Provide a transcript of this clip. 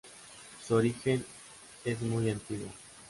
Su origen es muy antiguo.